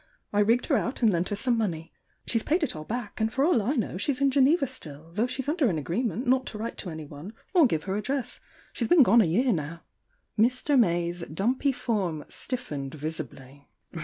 I ri(t(red her Tdtf 'f,"T I'' "^Tf^^^'y Sh^'s paid it Sack' and for all I know she's in Geneva still, though she's under an agreement not to write to anyone or give '^^J address. She's been gone a year now." Mr. Mays dumpy form stiffened visibly.